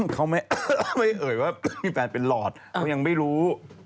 เขาไม่เอ่ยว่ามีแฟนเป็นหลอดเขายังไม่รู้